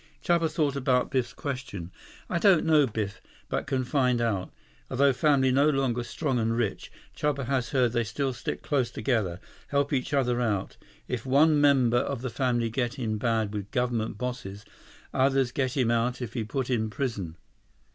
Chuba thought about Biff's question. "I don't know, Biff. But can find out. Although family no longer strong and rich, Chuba has heard they still stick close together. Help each other out. If one member of family get in bad with government bosses, others get him out if he put in prison."